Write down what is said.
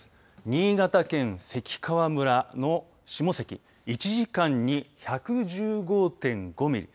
新潟県関川村の下関１時間に１１５．５ミリ。